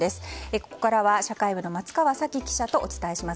ここからは社会部の松川沙紀記者とお伝えします。